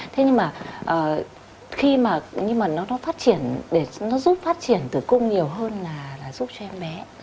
thế nhưng mà khi mà nó phát triển nó giúp phát triển tử cung nhiều hơn là giúp cho em bé